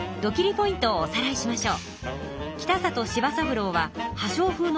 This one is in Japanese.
ポイントをおさらいしましょう。